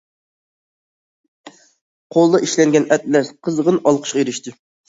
قولدا ئىشلەنگەن ئەتلەس قىزغىن ئالقىشقا ئېرىشتى.